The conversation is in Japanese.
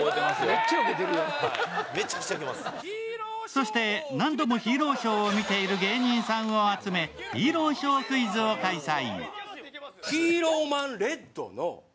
そして、何度もヒーローショーを見ている芸人さんを集めヒーローショークイズを開催。